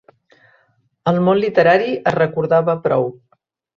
El món literari es recordava prou.